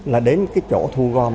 là đến cái chỗ thu gom